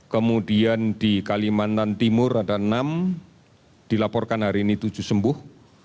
kemudian di kalimantan timur ada enam dilaporkan hari ini tujuh sembuh